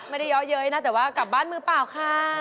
เยอะเย้ยนะแต่ว่ากลับบ้านมือเปล่าค่ะ